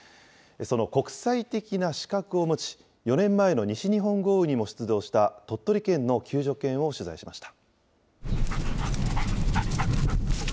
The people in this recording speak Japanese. その国際的な資格を持ち、４年前の西日本豪雨にも出動した、鳥取県の救助犬を取材しました。